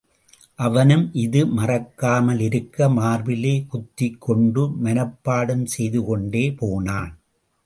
அவனும் இது மறக்காமலிருக்க மார்பிலே குத்திக் கொண்டு மனப்பாடம் செய்துகொண்டே போனான்.